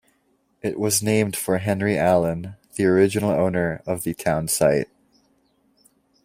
It was named for Henry Allen, the original owner of the town site.